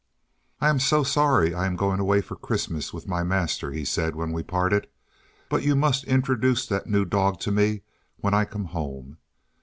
"I am so sorry I am going away for Christmas with my master," he said when we parted; "but you must introduce that new dog to me when I come home.